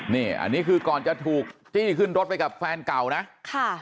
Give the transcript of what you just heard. นี่อันนี้คือก่อนจะถูกจี้ขึ้นรถไปกับแฟนเก่านะค่ะ